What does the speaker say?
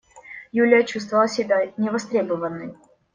Юлия чувствовала себя невостребованной.